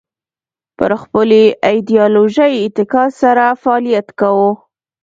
پر خپلې ایدیالوژۍ اتکا سره فعالیت کاوه